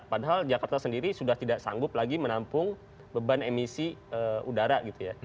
padahal jakarta sendiri sudah tidak sanggup lagi menampung beban emisi udara gitu ya